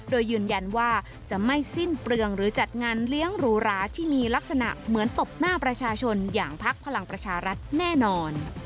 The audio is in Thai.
โดยยืนยันว่าจะไม่สิ้นเปลืองหรือจัดงานเลี้ยงหรูหราที่มีลักษณะเหมือนตบหน้าประชาชนอย่างพักพลังประชารัฐแน่นอน